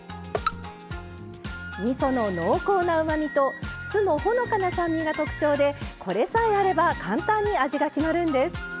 みその濃厚なうまみと酢のほのかな酸味が特徴でこれさえあれば簡単に味が決まるんです。